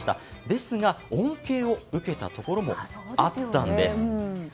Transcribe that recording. ですが、恩恵を受けたところもあったんです。